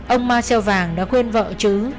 ông ma xeo vàng đã khuyên vợ trứ